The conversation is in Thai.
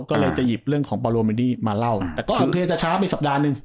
ก็เลยจะหยิบเรื่องของมาเล่าแต่ก็อาจจะช้าไปสัปดาห์หนึ่ง